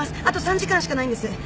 あと３時間しかないんです。